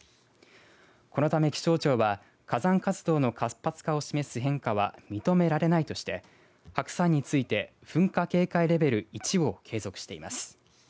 このため気象庁は火山活動の活発化を示す変化は認められないとして白山について噴火警戒レベル１を継続しています。